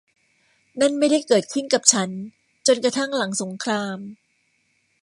นั่นไม่ได้เกิดขึ้นกับฉันจนกระทั่งหลังสงคราม